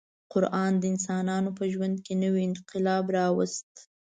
قران د انسانانو په ژوند کې نوی انقلاب راوست.